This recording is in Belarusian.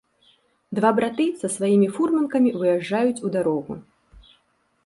Два браты са сваімі фурманкамі выязджаюць у дарогу.